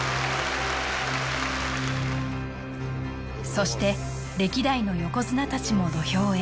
そして歴代の横綱たちも土俵へ